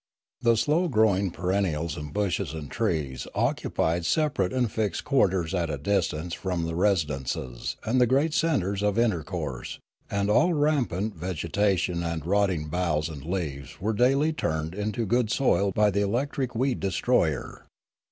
The slow growing perennials and bushes and. trees occupied separate and fixed quarters at a distance from the residences and the great centres of intercourse, and all rampant vegetation and rotting boughs and leaves were daily turned into good soil by the electric weed destroyer.